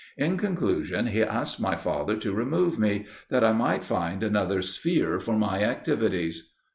In conclusion, he asked my father to remove me, that I might find another sphere for my activities.